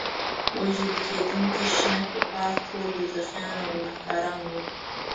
وژل کېدونکي شنه کفار ټول دوزخیان او ګناهګاران وو.